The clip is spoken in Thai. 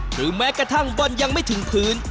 หรือแม้กระทั่งบอลยังไม่ถึงพื้น